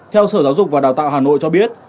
theo sở giáo dục và đào tạo hà nội cho biết